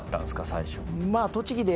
最初。